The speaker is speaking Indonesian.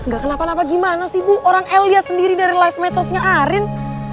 gak kenapa napa gimana sih ibu orang el lihat sendiri dari life match sosnya arin